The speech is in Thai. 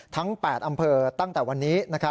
ทั้ง๘อำเภอตั้งแต่วันนี้